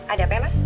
ada apa ya mas